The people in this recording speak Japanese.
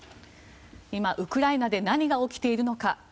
今、ウクライナで何が起きているのか。